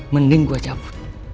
mending gue cabut